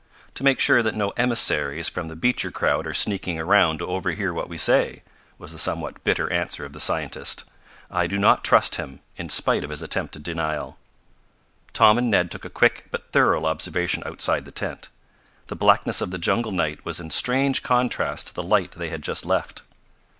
"To make sure that no emissaries from the Beecher crowd are sneaking around to overhear what we say," was the somewhat bitter answer of the scientist. "I do not trust him, in spite of his attempted denial." Tom and Ned took a quick but thorough observation outside the tent. The blackness of the jungle night was in strange contrast to the light they had just left.